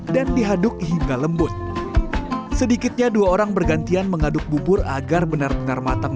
dan dihaduk hingga lembut sedikitnya dua orang bergantian mengaduk bubur agar benar benar matang